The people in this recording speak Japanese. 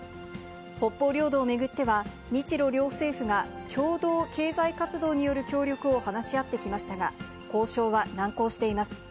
北方領土を巡っては、日ロ両政府が共同経済活動による協力を話し合ってきましたが、交渉は難航しています。